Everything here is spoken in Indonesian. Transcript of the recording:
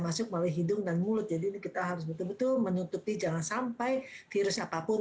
masuk melalui hidung dan mulut jadi ini kita harus betul betul menutupi jangan sampai virus apapun